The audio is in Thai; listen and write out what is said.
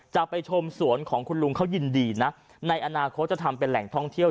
จะไปชมสวนของคุณลุงเขายินดีนะในอนาคตจะทำเป็นแหล่งท่องเที่ยว